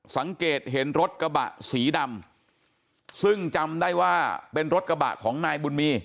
สังเกตเห็นรถกระบะสีดำซึ่งจำได้ว่าเป็นรถกระบะของนายบุญมี